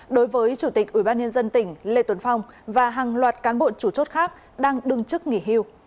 đối với chủ tịch ủy ban nhân dân tỉnh lê tuấn phong và hàng loạt cán bộ chủ chốt khác đang đương chức nghỉ hưu